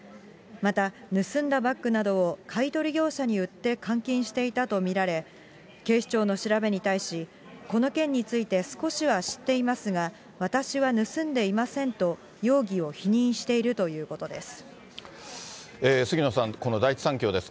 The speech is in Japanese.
また盗んだバッグなどを買い取り業者に売って換金していたと見られ、警視庁の調べに対し、この件について少しは知っていますが、私は盗んでいませんと、容疑を否認しているということです。